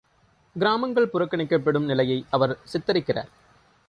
கிராமங்கள் புறக்கணிக்கப்படும் நிலையை அவர் சித்திரிக்கிறார்.